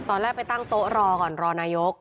ตอนแรกไปตั้งโต๊ะรอก่อนรอนายก